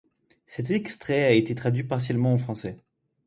Cet extrait a été traduit partiellement en français.